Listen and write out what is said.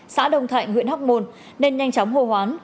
xã đồng thạnh huyện hóc môn nên nhanh chóng hô hoán